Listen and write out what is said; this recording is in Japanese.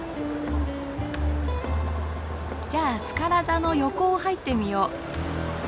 じゃあスカラ座の横を入ってみよう。